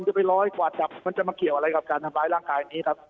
จะไปร้อยกว่าจับมันจะมาเกี่ยวอะไรกับการทำร้ายร่างกายอันนี้ครับ